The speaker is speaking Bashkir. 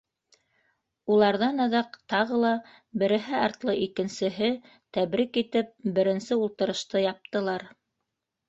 Уларҙан аҙаҡ тағы ла береһе артлы икенсеһе тәбрик итеп, беренсе ултырышты яптылар.